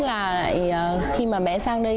nhất là khi mà bé sang đây